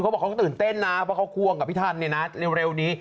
เขาตื่นเต้นนะเพราะเขาควงกับพี่ทันเร็วนี้